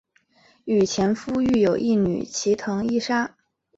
与前夫育有一女齐藤依纱。